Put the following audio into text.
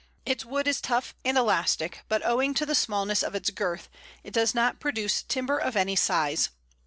Its wood is tough and elastic, but, owing to the smallness of its girth, it does not produce timber of any size.